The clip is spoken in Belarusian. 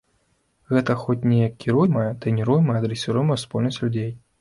Гэта хоць неяк кіруемая, трэніруемая, дрэсіруемая супольнасць людзей.